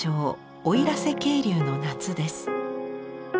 奥入瀬渓流の夏です。